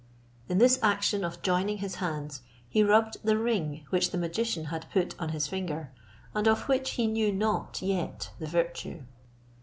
In this action of joining his hands he rubbed the ring which the magician had put on his finger, and of which he knew not yet the virtue.